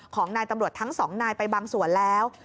ของนายตำรวจทั้งสองนายไปบางส่วนแล้ว